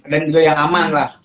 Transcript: dan juga yang aman lah